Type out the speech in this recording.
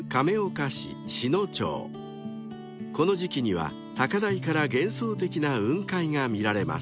［この時季には高台から幻想的な雲海が見られます］